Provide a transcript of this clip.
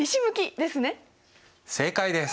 正解です。